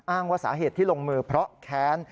ว่าสาเหตุที่ลงมือเพราะแค้น